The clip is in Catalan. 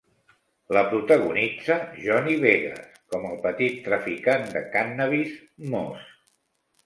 La protagonitza Johnny Vegas com el petit traficant de cànnabis Moz.